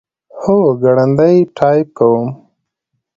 هو، ګړندی ټایپ کوم